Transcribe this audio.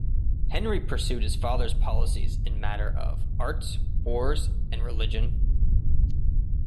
Henry pursued his father's policies in matter of arts, wars and religion.